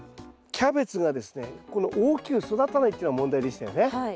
キャベツがですね大きく育たないっていうのが問題でしたよね。